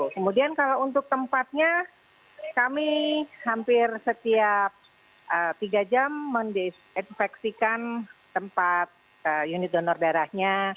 kemudian kalau untuk tempatnya kami hampir setiap tiga jam mendesinfeksikan tempat unit donor darahnya